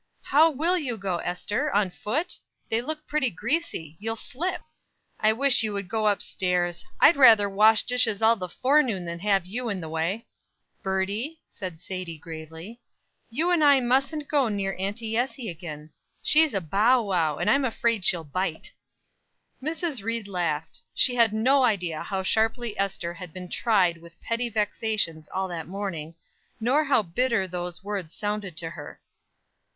"How will you go, Ester? On foot? They look pretty greasy; you'll slip." "I wish you would go up stairs. I'd rather wash dishes all the forenoon than have you in the way." "Birdie," said Sadie gravely, "you and I musn't go near Auntie Essie again. She's a 'bowwow,' and I'm afraid she'll bite." Mrs. Ried laughed. She had no idea how sharply Ester had been tried with petty vexations all that morning, nor how bitter those words sounded to her.